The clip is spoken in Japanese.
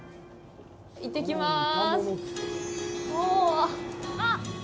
行ってきます。